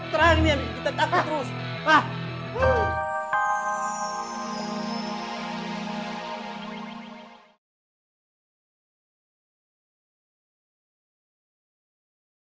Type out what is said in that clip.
terang ini amin